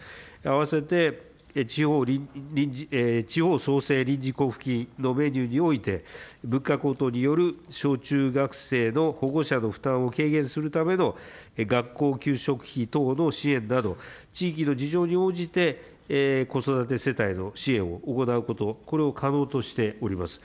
併せて地方創生臨時交付金のメニューにおいて、物価高騰による小中学生の保護者の負担を軽減するための学校給食費等の支援など、地域の事情に応じて、子育て世帯の支援を行うこと、これを可能としております。